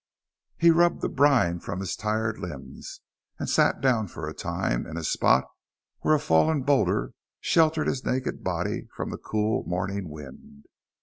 He rubbed the brine from his tired limbs, and sat down for a time, in a spot where a fallen boulder sheltered his naked body from the cool morning wind.